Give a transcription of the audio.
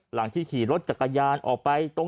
หลังที่ขี่รถจักรยานออกไป